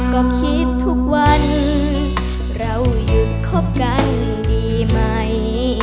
ก็คิดทุกวันเราหยุดคบกันดีไหม